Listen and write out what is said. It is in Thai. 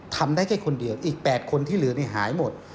ทำได้แค่คนเดียวอีก๘คนที่เหลือหายหมด